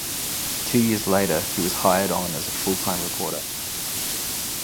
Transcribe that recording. Two years later, he was hired on as a full-time reporter.